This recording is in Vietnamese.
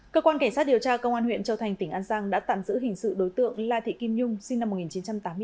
cơ quan cảnh sát điều tra công an huyện châu thành tỉnh an giang đã tạm giữ hình sự đối tượng la thị kim nhung sinh năm một nghìn chín trăm tám mươi bốn